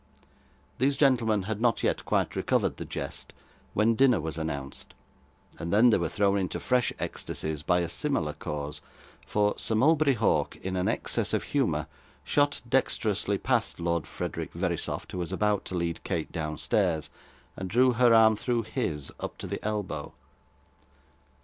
These gentlemen had not yet quite recovered the jest, when dinner was announced, and then they were thrown into fresh ecstasies by a similar cause; for Sir Mulberry Hawk, in an excess of humour, shot dexterously past Lord Frederick Verisopht who was about to lead Kate downstairs, and drew her arm through his up to the elbow.